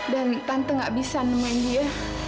dan tante tidak bisa menemui dia